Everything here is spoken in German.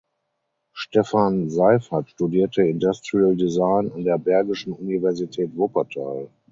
Stefan Seiffert studierte Industrial Design an der Bergischen Universität Wuppertal.